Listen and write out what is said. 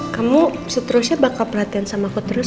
kamu seterusnya bakal latihan sama aku terus